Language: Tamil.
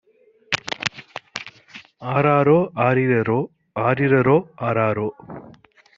ஆராரோ ஆரரிரோ ஆரரிரோ ஆராரோ!